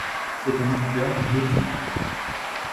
C'est un affluent du Metuje.